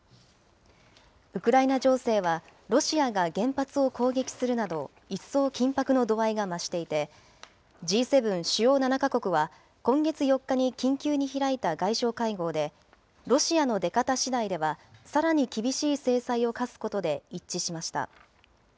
ウクライナ情勢は、ロシアが原発を攻撃するなど、一層緊迫の度合いが増していて、Ｇ７・主要７か国は、今月４日に緊急に開いた外相会合で、ロシアの出方しだいでは、さらに厳しい制裁を科すことで一致しました。